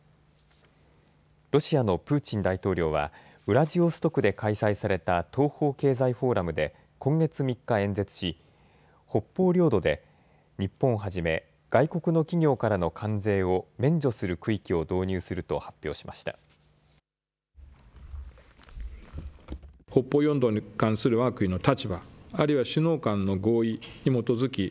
ロシアのプーチン大統領はウラジオストクで開催された東方経済フォーラムで今月３日、演説し北方領土で日本をはじめ外国の企業からの関税を免除する区域を導入すると発表しました。